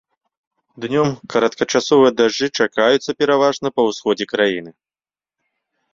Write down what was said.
Днём кароткачасовыя дажджы чакаюцца пераважна па ўсходзе краіны.